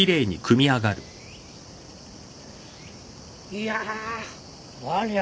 いやわりゃ